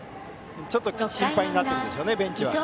ちょっと心配になっているでしょうねベンチは。